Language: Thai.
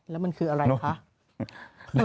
แล้วมันคืออะไรคะ